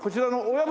親分。